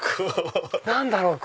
何だろう？